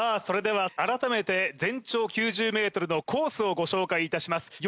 それでは改めて全長９０ｍのコースをご紹介いたします